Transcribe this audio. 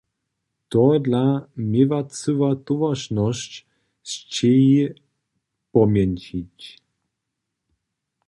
Tohodla měła cyła towaršnosć sćěhi pomjeńšić.